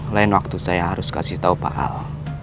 lain waktu saya harus kasih tau pak al